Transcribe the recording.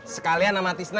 sekalian nama tisna